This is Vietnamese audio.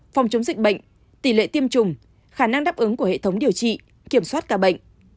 phòng chống dịch bệnh tỷ lệ tiêm chủng khả năng đáp ứng của hệ thống điều trị kiểm soát ca bệnh